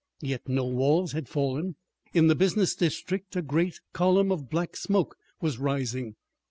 Yet no walls had fallen! In the business district a great column of black smoke was rising.